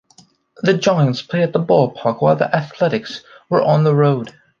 The Giants played at the ballpark while the Athletics were on the road.